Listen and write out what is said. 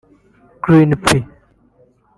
"Green P